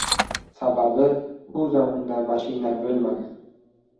Sababi, u zamonda mashina bo‘lmagan!